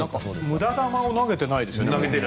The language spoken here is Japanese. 無駄球を投げてないですよね。